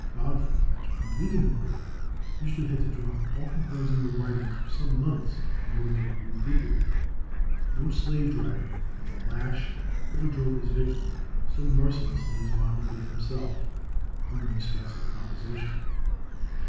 Wagner, after completing a great work, usually had to drop all composing or writing for some months in order to recuperate. No slave driver with a lash ever drove his victim so mercilessly as Wagner did himself when in the stress of composition.